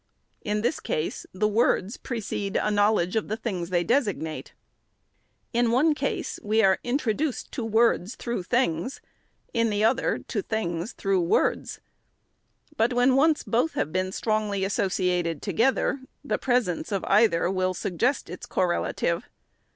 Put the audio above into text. In this case, the words precede a knowledge of the things they designate. In one case we are introduced to words through things ; in the other, to things, through 512 THE SECRETARY'S words ; but when once both have been strongly associated together, the presence of either will suggest its correla tive.